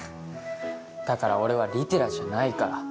だから俺は利寺じゃないから。